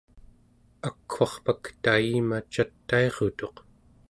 akwarpak tayima catairutuq